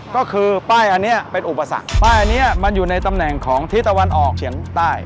ก็คือป้ายอันนี้เป็นอุปสรรคป้ายอันนี้มันอยู่ในตำแหน่งของทิศตะวันออกเฉียงใต้